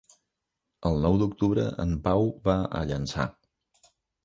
El nou d'octubre en Pau va a Llançà.